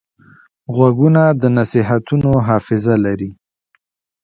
غوږونه د نصیحتونو حافظه لري